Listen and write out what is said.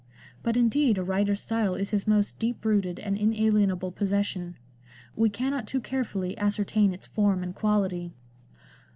But indeed a writer's style is his most deep rooted and inalienable possession ; we cannot too carefully ascertain its form and quality.